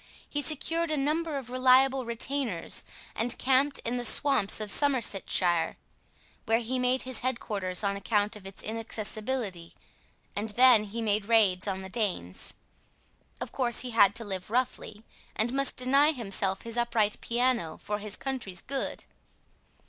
He secured a number of reliable retainers and camped in the swamps of Somersetshire, where he made his head quarters on account of its inaccessibility, and then he made raids on the Danes. Of course he had to live roughly, and must deny himself his upright piano for his country's good.